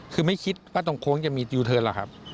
คือไม่คิดว่าตรงโค้งจะมียูเทิร์นหรอกครับ